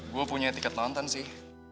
gue punya tiket nonton sih